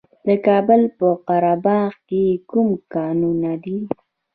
د کابل په قره باغ کې کوم کانونه دي؟